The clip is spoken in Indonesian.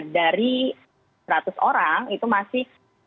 dari seratus orang itu masih